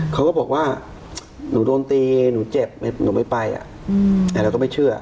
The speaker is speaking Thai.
เขาก็บอกว่าหนูโดนตีหนูเจ็บหนูไม่ไปแต่เราก็ไม่เชื่อ